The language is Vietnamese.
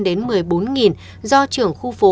đến một mươi bốn do trưởng khu phố